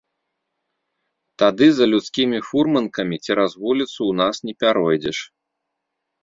Тады за людскімі фурманкамі цераз вуліцу ў нас не пяройдзеш.